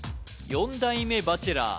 ４代目バチェラー